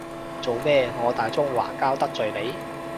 做咩，我大中華膠得罪你？